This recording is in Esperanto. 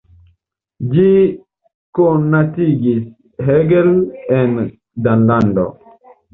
Ĝi konatigis Hegel en Danlando.